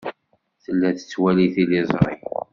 Tella tettwali tiliẓri.